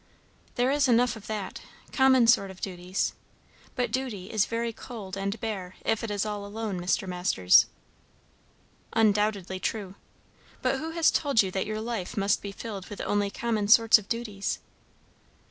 "There is enough of that; common sort of duties. But duty is very cold and bare if it is all alone, Mr. Masters." "Undoubtedly true. But who has told you that your life must be filled with only common sorts of duties?"